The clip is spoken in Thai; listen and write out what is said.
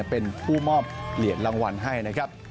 เป็นผู้มอบเหรียญรางวัลให้นะครับ